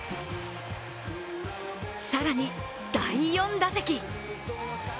更に、第４打席。